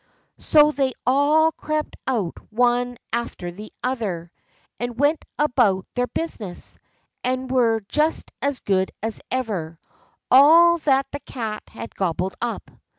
So they all crept out one after the other, and went about their business, and were just as good as ever, all that the Cat had gobbled up.